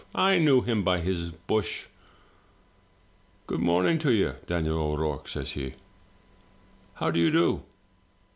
I knew him by his bush. Good morrow to you, Daniel O'Rourke/ says he, 'how do you do?'